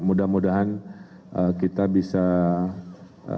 mudah mudahan kita bisa melakukan hal ini dengan terukur ya dengan waspada